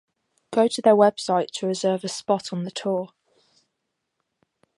Go to their website to reserve a spot on the tour.